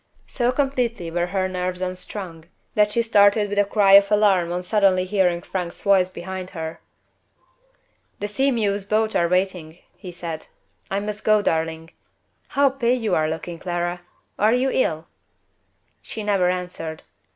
So completely were her nerves unstrung, that she started with a cry of alarm on suddenly hearing Frank's voice behind her. "The Sea mew's boats are waiting," he said. "I must go, darling. How pale you are looking, Clara! Are you ill?" She never answered.